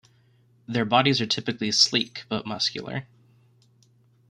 Their bodies are typically "sleek" but muscular.